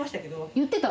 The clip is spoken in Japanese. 言ってた？